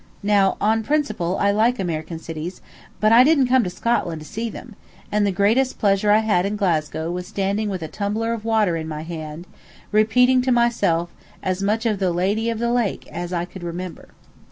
Now, on principle, I like American cities, but I didn't come to Scotland to see them; and the greatest pleasure I had in Glasgow was standing with a tumbler of water in my hand, repeating to myself as much of the "Lady of the Lake" as I could remember.